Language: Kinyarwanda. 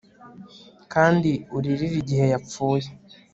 Kandi uririre igihe yapfuye